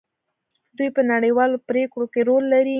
دوی په نړیوالو پریکړو کې رول لري.